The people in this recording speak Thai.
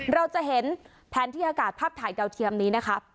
เราจะเห็นแผนที่อากาศภาพถ่ายดาวเทียมนี้นะคะ